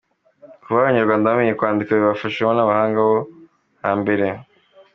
kuva aho Abanyarwanda bamenyeye kwandika babifashijwemo n’abahanga bo ha mbere.